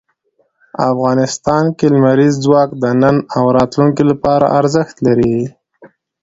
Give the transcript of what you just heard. افغانستان کې لمریز ځواک د نن او راتلونکي لپاره ارزښت لري.